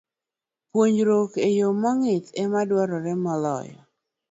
Puonjruok e yo mong'ith ema dwarore moloyo.